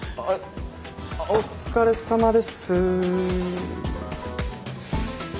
お疲れさまです。